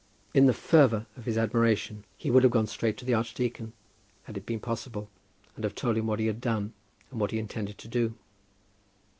In the fervour of his admiration he would have gone straight to the archdeacon, had it been possible, and have told him what he had done and what he intended to do.